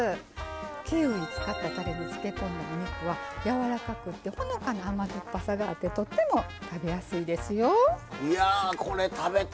キウイを使ったたれに漬け込んだお肉はやわらかくってほのかな甘みがあってとっても食べやすいですよ。